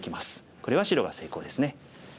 これは白が成功ですね。